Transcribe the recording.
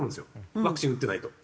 ワクチン打ってないと。